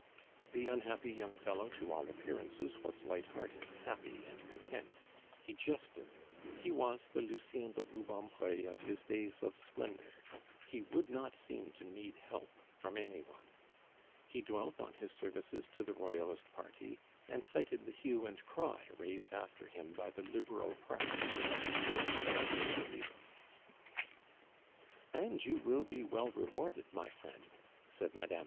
The unhappy young fellow to all appearances was light hearted, happy, and content; he jested, he was the Lucien de Rubempre of his days of splendor, he would not seem to need help from any one. He dwelt on his services to the Royalist party, and cited the hue and cry raised after him by the Liberal press as a proof of his zeal. "And you will be well rewarded, my friend," said Mme.